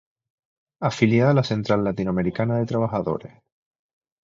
Afiliada a la Central Latinoamericana de Trabajadores.